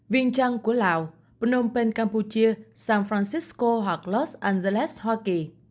viên trăn của lào phnom penh campuchia san francisco hoặc los angeles hoa kỳ